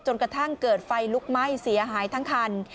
กระทั่งเกิดไฟลุกไหม้เสียหายทั้งคัน